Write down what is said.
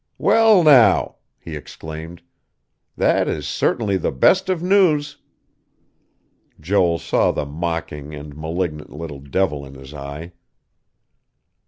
"Well, now!" he exclaimed. "That is certainly the best of news...." Joel saw the mocking and malignant little devil in his eye.